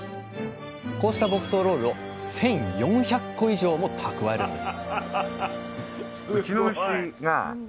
こうした牧草ロールを１，４００個以上もたくわえるんです